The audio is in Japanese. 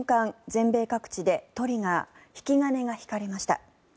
全米各地でトリガー、引き金が引かれました。